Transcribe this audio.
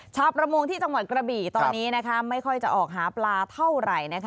ชาวประมงที่จังหวัดกระบี่ตอนนี้ไม่ค่อยจะออกหาปลาเท่าไหร่